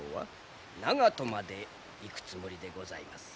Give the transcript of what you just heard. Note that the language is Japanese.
長門まで行くつもりでございます。